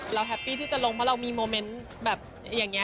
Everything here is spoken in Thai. แฮปปี้ที่จะลงเพราะเรามีโมเมนต์แบบอย่างนี้